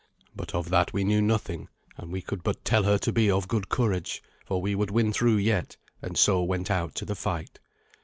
But of that we knew nothing; and we could but tell her to be of good courage, for we would win through yet, and so went out to the fight.